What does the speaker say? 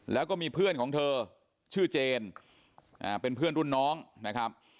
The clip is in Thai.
แล้วก็มีเพื่อนของเธอชื่อเจนเป็นเพื่อนรุ่นน้องนะครับ